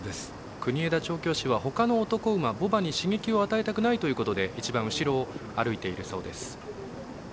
国枝調教師はほかの男馬、牡馬に刺激を与えたくないということで一番後ろを歩いているそうです。